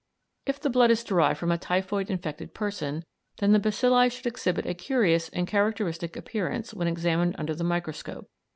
If the blood is derived from a typhoid infected person, then the bacilli should exhibit a curious and characteristic appearance when examined under the microscope.